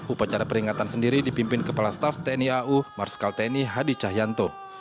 upacara peringatan sendiri dipimpin kepala staff tni au marskal tni hadi cahyanto